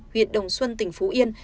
huyện đồng xuân tỉnh phú yên